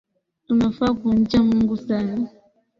Tunafaa kumcha Mungu sana